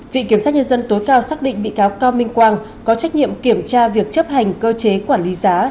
viện kiểm sát nhân dân tối cao xác định bị cáo cao minh quang có trách nhiệm kiểm tra việc chấp hành cơ chế quản lý giá